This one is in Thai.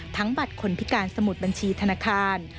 บัตรคนพิการสมุดบัญชีธนาคาร